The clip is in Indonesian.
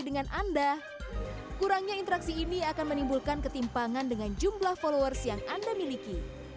dengan anda kurangnya interaksi ini akan menimbulkan ketimpangan dengan jumlah followers yang anda miliki